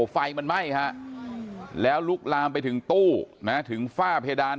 ไฟมันไหม้ฮะแล้วลุกลามไปถึงตู้ถึงฝ้าเพดาน